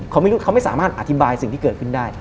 เขาไม่รู้เขาไม่สามารถอธิบายสิ่งที่เกิดขึ้นได้